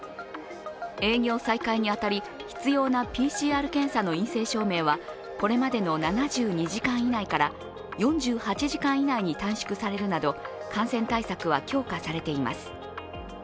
営業再開に当たり、必要なＰＣＲ検査の陰性証明はこれまでの７２時間以内から４８時間以内に短縮されるなど感染対策は強化されています。